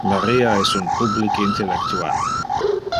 Maria es un public intellectual.